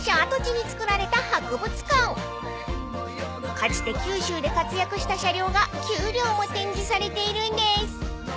［かつて九州で活躍した車両が９両も展示されているんです］